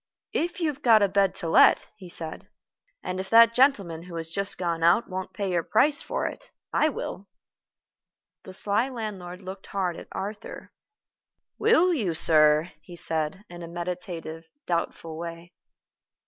"If you have got a bed to let," he said, "and if that gentleman who has just gone out won't pay your price for it, I will." The sly landlord looked hard at Arthur. "Will you, sir?" he asked, in a meditative, doubtful way.